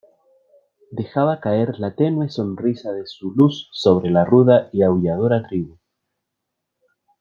dejaba caer la tenue sonrisa de su luz sobre la ruda y aulladora tribu .